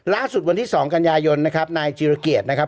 วันที่๒กันยายนนะครับนายจิรเกียรตินะครับ